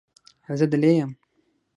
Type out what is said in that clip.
زه دلې یم.